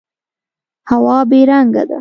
هوا بې رنګه ده.